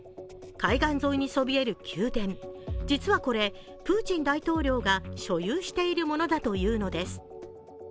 海岸沿いにそびえる宮殿、実はこれ、プーチン大統領が所有しているものだというのです。